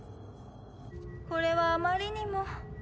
これはあまりにも。